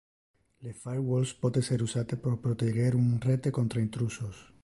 Le firewalles pote ser usate pro proteger un rete contra intrusos.